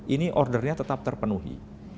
ini ordernya tetap terpenuhi